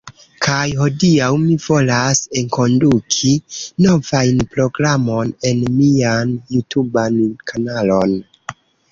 Kaj hodiaŭ mi volas enkonduki novan programon en mian jutuban kanalon